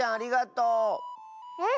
うん。